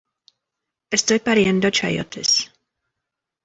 Estoy pariendo chayotes